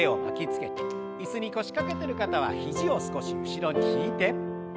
椅子に腰掛けてる方は肘を少し後ろに引いて。